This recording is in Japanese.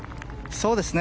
そうですね。